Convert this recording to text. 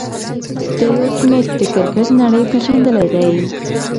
سټیو سميټ د کرکټ نړۍ پېژندلی دئ.